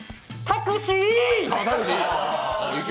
タクシー！